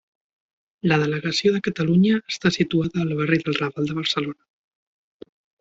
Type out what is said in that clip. La delegació de Catalunya està situada al barri del Raval de Barcelona.